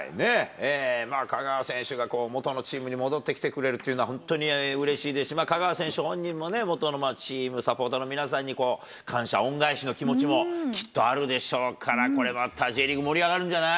まあ、香川選手が元のチームに戻ってきてくれるっていうのは、本当にうれしいですし、香川選手本人もね、元のチーム、サポーターの皆さんに感謝、恩返しの気持ちもきっとあるでしょうから、これまたＪリーグ盛り上がるんじゃない。